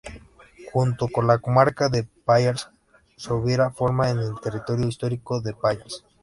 Junto con la comarca de Pallars Sobirá forma el territorio histórico de Pallars.